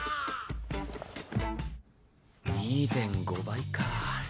２．５倍か。